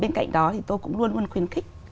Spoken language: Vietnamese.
bên cạnh đó thì tôi cũng luôn luôn khuyến khích